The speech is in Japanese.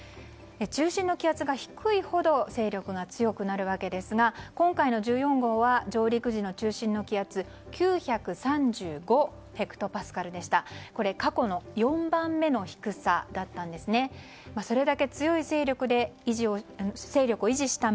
中心の気圧が低いほど勢力が強くなるわけですが今回の１４号は上陸時の中心の気圧は９３５ヘクトパスカルでした。